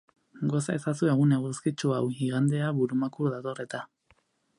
Goza ezazu egun eguzkitsu hau, igandea burumakur dator eta.